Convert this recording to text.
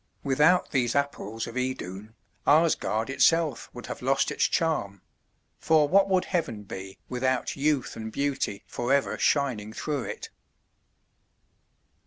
Without these Apples of Idun, Asgard itself would have lost its charm; for what would heaven be without youth and beauty forever shining through it?